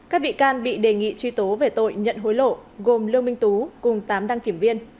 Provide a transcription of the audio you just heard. các bị can bị đề nghị truy tố về tội nhận hối lộ gồm lương minh tú cùng tám đăng kiểm viên